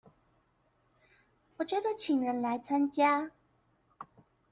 我覺得請人來參加